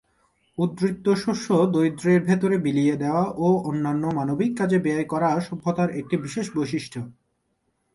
উদ্বৃত্ত শস্য দরিদ্রদের ভেতরে বিলিয়ে দেওয়া ও অন্যান্য মানবিক কাজে ব্যয় করা সভ্যতার একটি বিশেষ বৈশিষ্ট্য।